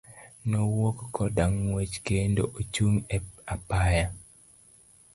Nowuok koda ng'uech kendo ochung' e apaya.